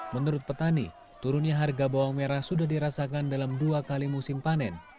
menurut petani turunnya harga bawang merah sudah dirasakan dalam dua kali musim panen